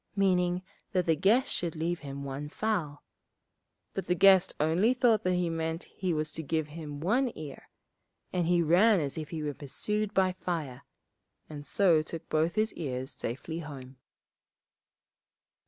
meaning that the guest should leave him one fowl; but the guest only thought that he meant he was to give him one ear, and he ran as if he was pursued by fire, and so took both his ears safely home.